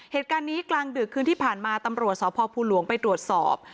เหตุการณ์นี้กลางดึกคืนที่ผ่านมาตำรวจสพภูหลวงไปตรวจสอบ